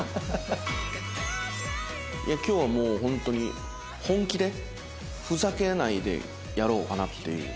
今日はもう本当に本気でふざけないでやろうかなっていう。